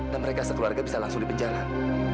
dan mereka sekeluarga bisa langsung di penjalan